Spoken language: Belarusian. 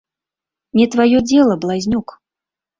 Не тваё дзела, блазнюк!